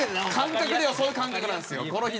感覚ではそういう感覚なんですよ。